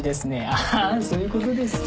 ああそういうことですか。